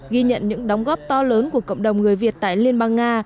ghi nhận những đóng góp to lớn của cộng đồng người việt tại liên bang nga